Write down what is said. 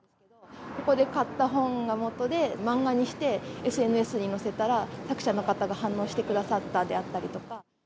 ここで買った本がもとで、漫画にしてＳＮＳに載せたら、作者の方が反応してくださったであったりとか。